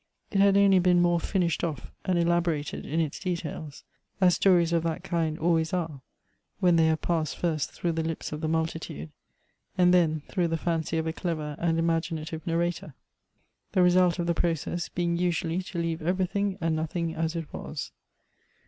It had only been more finished off and elaborated in its details, as stories of that kind always are, when they have passed first through the lips of the multitiide, and then through the fancy of a clever and imaginative nar rator ; the result of the process being usually to leave every thing and nothing as it was.